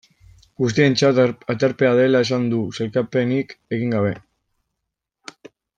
Guztientzat aterpea dela esan du, sailkapenik egin gabe.